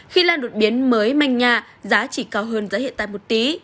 khi lan đột biến mới manh nhạ giá chỉ cao hơn giá hiện tại một tí